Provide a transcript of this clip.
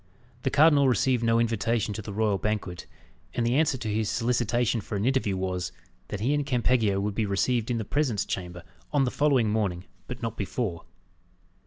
The cardinal received no invitation to the royal banquet; and the answer to his solicitation for an interview was, that he and Campeggio would be received in the presence chamber on the following morning, but not before.